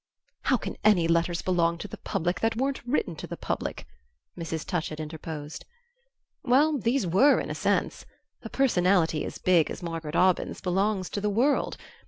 "How can any letters belong to the public that weren't written to the public?" Mrs. Touchett interposed. "Well, these were, in a sense. A personality as big as Margaret Aubyn's belongs to the world.